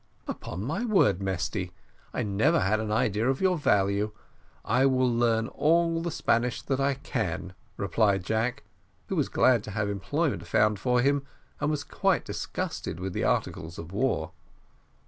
"Upon my word, Mesty, I never had an idea of your value. I will learn all the Spanish that I can," replied Jack, who was glad to have employment found for him, and was quite disgusted with the articles of war.